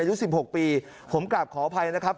อายุ๑๖ปีผมกลับขออภัยนะครับ